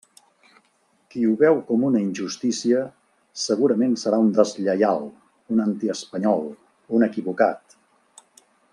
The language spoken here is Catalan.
Qui ho veu com una injustícia segurament serà un deslleial, un antiespanyol, un equivocat.